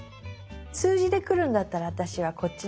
数字でくるんだったら私はこっちにしよう。